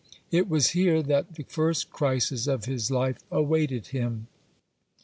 It was here that the first crisis of his life awaited him.